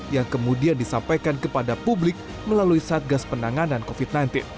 yang kemudian disampaikan kepada publik melalui satgas penanganan covid sembilan belas